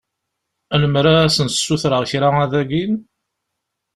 Lemmer ad sen-ssutreɣ kra ad agin?